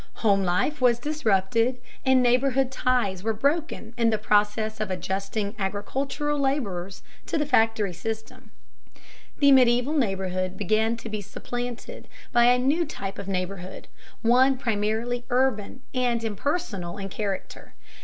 Home life was disrupted, and neighborhood ties were broken in the process of adjusting agricultural laborers to the factory system. The medieval neighborhood began to be supplanted by a new type of neighborhood, one primarily urban and impersonal in character.